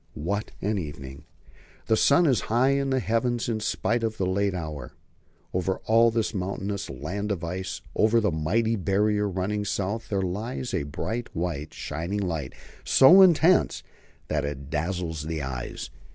What an evening! The sun is high in the heavens in spite of the late hour. Over all this mountainous land of ice, over the mighty Barrier running south, there lies a bright, white, shining light, so intense that it dazzles the eyes.